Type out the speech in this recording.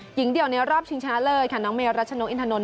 หญิงเดียวในรอบชิงชนะเลยค่ะน้องเมรัชนกอินทนนท